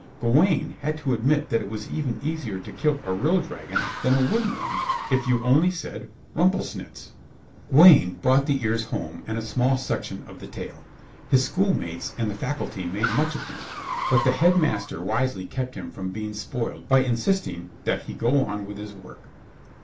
Gawaine had to admit that it was even easier to kill a real dragon than a wooden one if only you said "Rumplesnitz." Gawaine brought the ears home and a small section of the tail. His school mates and the faculty made much of him, but the Headmaster wisely kept him from being spoiled by insisting that he go on with his work.